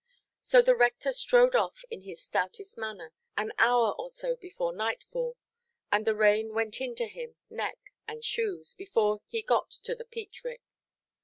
So the rector strode off in his stoutest manner, an hour or so before nightfall, and the rain went into him, neck and shoes, before he got to the peat–rick.